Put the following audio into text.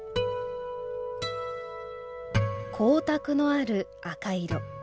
光沢のある赤色。